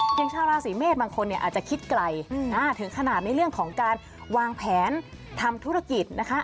อย่างชาวราศีเมษบางคนเนี่ยอาจจะคิดไกลถึงขนาดในเรื่องของการวางแผนทำธุรกิจนะคะ